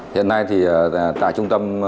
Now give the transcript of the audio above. hiện nay thì tại trung tâm